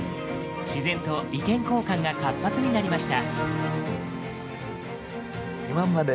自然と意見交換が活発になりました。